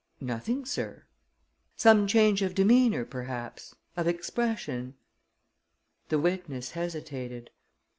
"Nothing, sir." "Some change of demeanor, perhaps; of expression?" The witness hesitated.